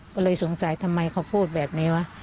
ก็เลยสงสัยทำไมเขาพูดแบบนี้วะ